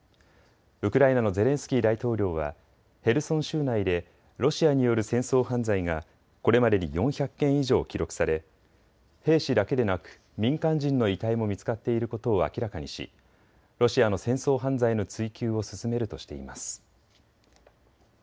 ウクライナのゼレンスキー大統領はヘルソン州内でロシアによる戦争犯罪がこれまでに４００件以上記録され、兵士だけでなく民間人の遺体も見つかっていることを明らかにしロシアの戦争犯罪の追及を進めるとしています。